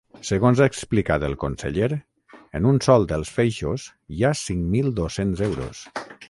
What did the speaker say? Segons ha explicat el conseller, en un sol dels feixos hi ha cinc mil dos-cents euros.